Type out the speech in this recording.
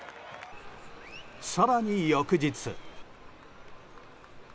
更に翌日。